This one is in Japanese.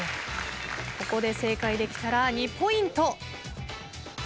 ここで正解できたら２ポイント。